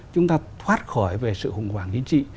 chúng ta thoát khỏi về sự hùng hoảng ý trị